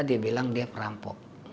dia bilang dia merampok